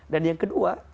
dan yang kedua